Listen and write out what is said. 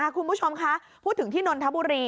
คุณผู้ชมคะพูดถึงที่นนทบุรี